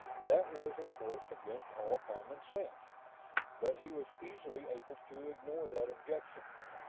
That was, of course, against all common sense, but he was easily able to ignore that objection.